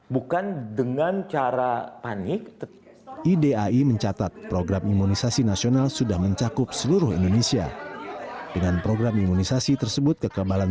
bukan dengan cara panik